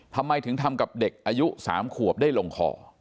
ทำไมถึงทำกับเด็กอายุ๓ขวบได้ลงคอ